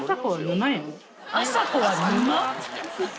あさこは沼？